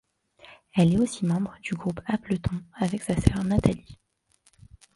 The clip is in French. Elle est aussi membre du groupe Appleton avec sa sœur Natalie.